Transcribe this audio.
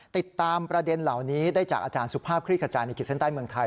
ติดตามประเด็นเหล่านี้ได้จากอาจารย์สุภาพคลิกขจายในขีดเส้นใต้เมืองไทย